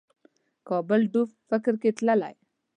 کابل ډوب فکر کې تللی